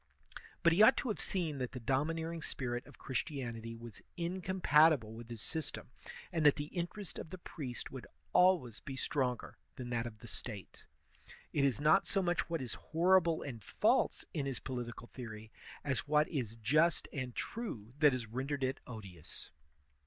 But he ought to have seen that the domi neering spirit of Christianity was incompatible with his system, and that the interest of the priest would always be stronger than that of the State. It is not so much what is horrible and false in his political theory as what is just and true that has rendered it odious.